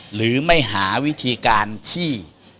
หรือไม่หาวิธีการที่